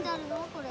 これ。